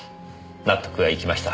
納得がいきました。